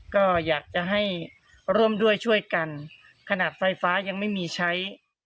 ก็อยากจะให้ร่วมด้วยช่วยกันขนาดไฟฟ้ายังไม่มีใช้